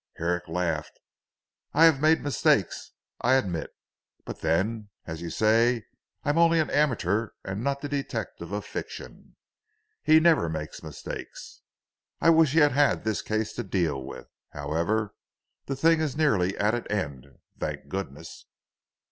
Herrick laughed, "I have made mistakes I admit. But then, as you say, I am only an amateur and not the detective of fiction. He never makes mistakes. I wish he had had this case to deal with. However the thing is nearly at an end, thank goodness."